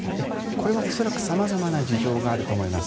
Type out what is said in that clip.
これは恐らく様々な事情があると思います。